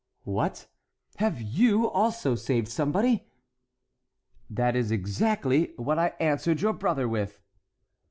"What, have you also saved somebody?" "That is exactly what I answered your brother with."